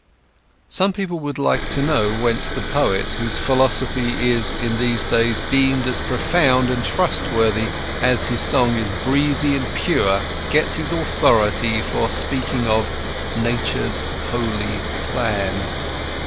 Some people would like to know whence the poet whose philosophy is in these days deemed as profound and trustworthy as his song is breezy and pure, gets his authority for speaking of "Nature's holy plan."